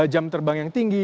jam terbang yang tinggi